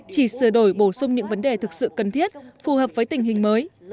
chỉ sửa đổi bổ sung những vấn đề thực sự cần thiết phù hợp với tình hình mới